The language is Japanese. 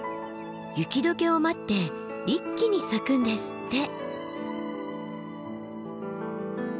雪解けを待って一気に咲くんですって。